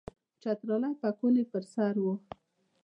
چترالی پکول یې پر سر وو.